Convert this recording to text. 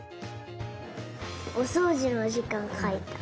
おそうじのじかんかいた。